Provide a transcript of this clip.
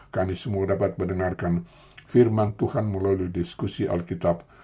kami semua dapat mendengarkan firman tuhan melalui diskusi alkitab